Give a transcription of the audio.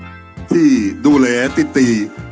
พาติติไปสอบครูจนมาจุกครูได้นะฮะติติโถมหาพ่มพ่อ